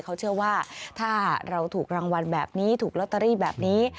เขาเชื่อว่าถ้าเราถูกรางวัลแบบนี้ถูกลอตเตอรี่แบบนี้